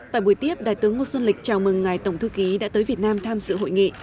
tại buổi tiếp đại tướng ngô xuân lịch chào mừng ngài tổng thư ký đã tới việt nam tham dự hội nghị